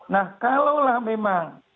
nah kalau lah memang